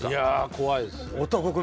怖いです。